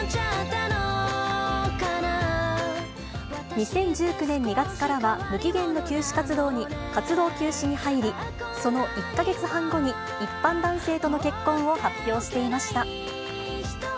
２０１９年２月からは、無期限の活動休止に入り、その１か月半後に一般男性との結婚を発表していました。